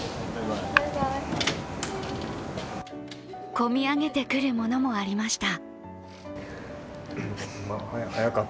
込み上げてくるものもありました。